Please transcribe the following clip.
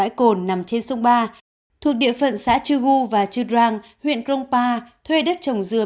đồng nằm trên sông ba thuộc địa phận xã chư gu và chư trang huyện krong pa thuê đất trồng dưa